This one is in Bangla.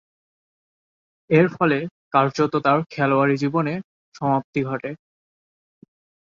এরফলে কার্যত তার খেলোয়াড়ী জীবনের সমাপ্তি ঘটে।